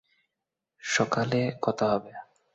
সকালে কথা হবে।